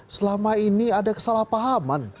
selama ini ada kesalahpahaman